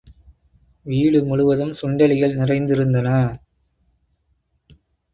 வீடு முழுவதும் சுண்டெலிகள் நிறைந்திருந்தன.